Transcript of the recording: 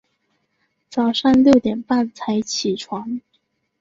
早上六点半才起床